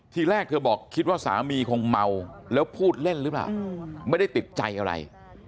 ทีแรกเธอบอกคิดว่าสามีคงเมาแล้วพูดเล่นหรือเปล่าไม่ได้ติดใจอะไร